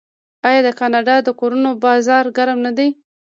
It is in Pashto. آیا د کاناډا د کورونو بازار ګرم نه دی؟